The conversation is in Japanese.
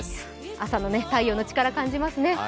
朝の太陽の力、感じますね。